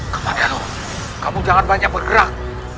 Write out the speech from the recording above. kepada lu kamu jangan banyak bergerak